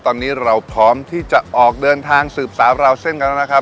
ตอนนี้เราพร้อมที่จะออกเดินทางสืบสาวราวเส้นกันแล้วนะครับ